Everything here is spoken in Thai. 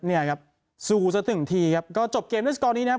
เนี่ยครับสู้สักหนึ่งทีครับก็จบเกมด้วยสกอร์นี้นะครับ